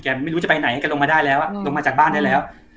แกไม่รู้จะไปไหนแกลงมาจากบ้านได้แล้ว